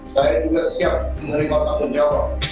saya juga siap menerima tanggung jawab